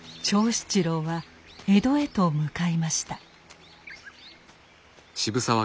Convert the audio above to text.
長七郎は江戸へと向かいました。